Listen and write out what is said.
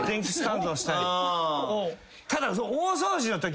ただ。